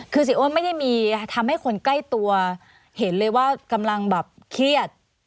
คือเสียอ้วนไม่ได้มีทำให้คนใกล้ตัวเห็นเลยว่ากำลังแบบเครียด